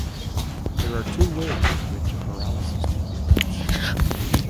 There are two ways in which a paralysis may be released.